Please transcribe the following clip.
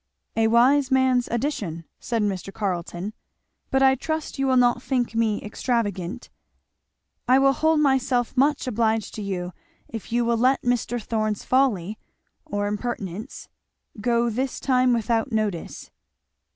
"A wise man's addition," said Mr. Carleton, "but I trust you will not think me extravagant. I will hold myself much obliged to you if you will let Mr. Thorn's folly, or impertinence, go this time without notice."